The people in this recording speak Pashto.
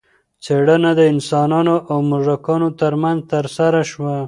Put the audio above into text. څېړنه د انسانانو او موږکانو ترمنځ ترسره شوه.